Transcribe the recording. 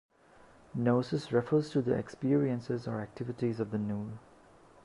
Noesis refers to the experiences or activities of the nous.